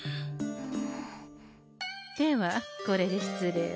ではこれで失礼を。